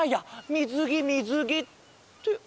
みずぎみずぎってあれ？